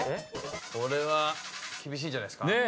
これは厳しいんじゃないですか？